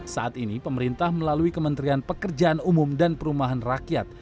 saat ini pemerintah melalui kementerian pekerjaan umum dan perumahan rakyat